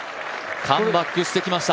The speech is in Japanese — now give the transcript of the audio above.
カムバックしてきました